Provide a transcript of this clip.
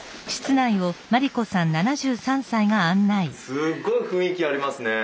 すっごい雰囲気ありますね。